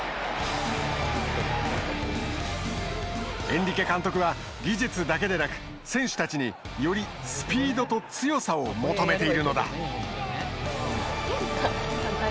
エンリケ監督は、技術だけでなく選手たちに、よりスピードと強さを求めているのだ。